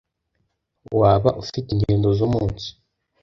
Waba ufite ingendo zumunsi?